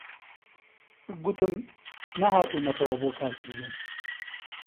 گوتم: نەهاتوومەوە بۆ کار کردن